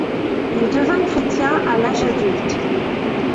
Il devint chrétien à l'âge adulte.